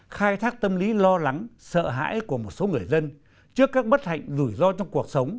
khai thác tâm lý lo lắng sợ hãi của một số người dân trước các bất hạnh rủi ro trong cuộc sống